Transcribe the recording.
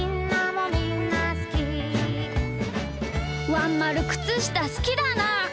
「ワンまるくつしたすきだなー。